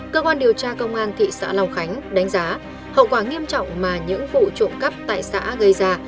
cơ quan điều tra công an thị xã long khánh đánh giá hậu quả nghiêm trọng mà những vụ trộm cắp tại xã gây ra